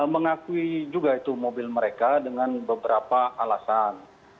mengakui juga itu mobil mereka dengan beberapa alasan